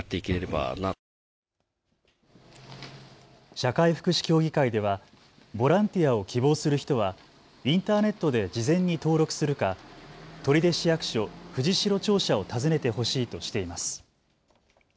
社会福祉協議会ではボランティアを希望する人はインターネットで事前に登録するか取手市役所藤代庁舎を訪ねてほしいとしています。